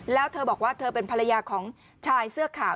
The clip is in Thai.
แล้วเธอบอกว่าเธอเป็นภรรยาของชายเสื้อขาว